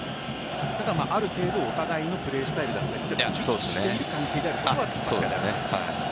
ただ、ある程度お互いのプレースタイルだったり知っている関係だということですね。